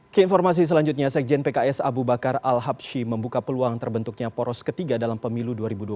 keinformasi selanjutnya sekjen pks abu bakar al habshi membuka peluang terbentuknya poros ketiga dalam pemilu dua ribu dua puluh